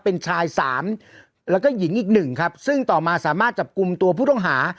เป็นชายสามแล้วก็หญิงอีกหนึ่งครับซึ่งต่อมาสามารถจับกลุ่มตัวผู้ต้องหา